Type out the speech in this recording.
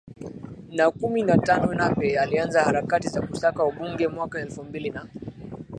na kumi na tanoNape alianza harakati za kusaka ubunge mwaka elfu mbili na